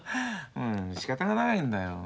しかたがないんだよ。